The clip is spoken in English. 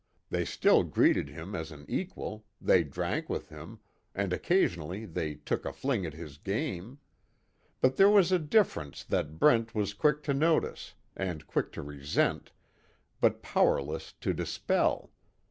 They still greeted him as an equal, they drank with him, and occasionally they took a fling at his game. But there was a difference that Brent was quick to notice, and quick to resent, but powerless to dispel.